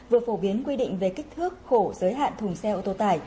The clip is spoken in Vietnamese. vừa phổ biến quy định về kích thước khổ giới hạn thùng xe ô tô tải